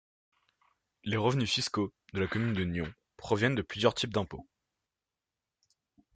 Les revenus fiscaux de la commune de Nyons proviennent de plusieurs types d’impôts.